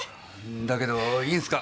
だけどいいんすか？